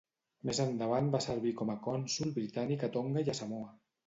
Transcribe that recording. Més endavant va servir com a cònsol britànic a Tonga i a Samoa.